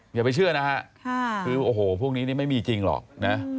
อย่าไปเชื่อนะฮะคือโอ้โหพวกนี้นี่ไม่มีจริงหรอกนะ